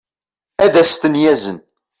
ad as-ten-yazen